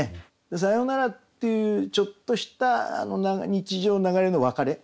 「さよなら」っていうちょっとした日常の流れの別れ。